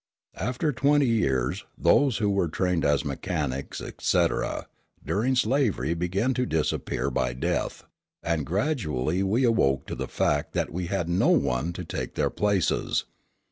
After twenty years, those who were trained as mechanics, etc., during slavery began to disappear by death; and gradually we awoke to the fact that we had no one to take their places.